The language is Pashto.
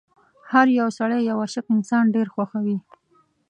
هر يو سړی یو عاشق انسان ډېر خوښوي.